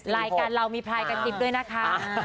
รายการเรามีพลายกระซิบด้วยนะคะ